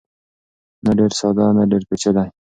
نه ډېر ساده نه ډېر پېچلی.